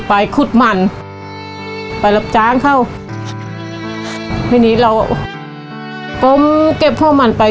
ไปคุดหมั่นไปรับจ้างเข้าทีนี้เรากลมเก็บข้อมั่นไป